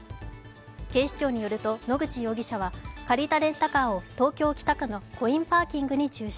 警視庁によると野口容疑者は借りたレンタカーを東京・北区のコインパーキングに駐車。